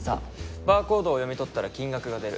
バーコードを読み取ったら金額が出る。